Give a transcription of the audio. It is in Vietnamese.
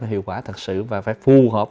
cái hiệu quả thật sự và phải phù hợp